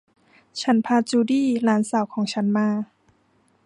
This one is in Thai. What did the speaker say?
ฉันพาจูดี้ หลานสาวของฉันมา